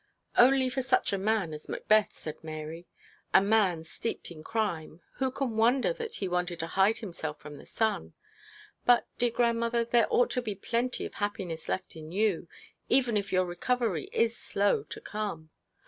'Only for such a man as Macbeth,' said Mary, 'a man steeped in crime. Who can wonder that he wanted to hide himself from the sun? But, dear grandmother, there ought to be plenty of happiness left for you, even if your recovery is slow to come.